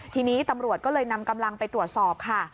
ทีนี้ตำรวจก็เลยนำกำลังไปตรวจสอบค่ะ